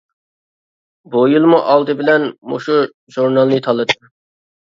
بۇ يىلمۇ ئالدى بىلەن مۇشۇ ژۇرنالنى تاللىدىم.